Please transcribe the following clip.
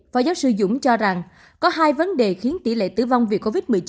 phó giáo sư dũng cho rằng có hai vấn đề khiến tỷ lệ tử vong vì covid một mươi chín